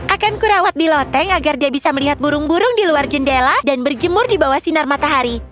akan kurawat di loteng agar dia bisa melihat burung burung di luar jendela dan berjemur di bawah sinar matahari